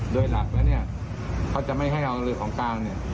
โดยหลักว่าเขาจะไม่ให้เรือของกลาง